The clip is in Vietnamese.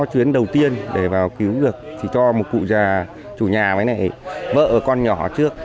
chuyến đầu tiên để vào cứu được thì cho một cụ già chủ nhà với vợ con nhỏ trước